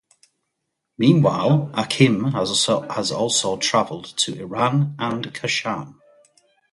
Meanwhile Achim has also traveled to Iran and Kashan.